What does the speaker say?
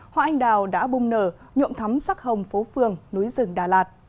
hoa anh đào đã bung nở nhộn thắm sắc hồng phố phương núi rừng đà lạt